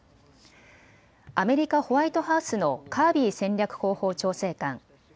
アメリカ・ホワイトハウスのカービー戦略広報調整官。